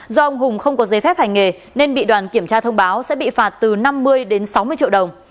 do ông hùng không có giấy phép hành nghề nên bị đoàn kiểm tra thông báo sẽ bị phạt từ năm mươi đến sáu mươi triệu đồng